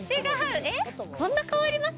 こんな変わります？